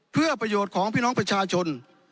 เพื่อประโยชน์ของพี่น้องประชาชน